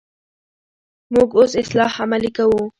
موږ اوس اصلاح عملي کوو.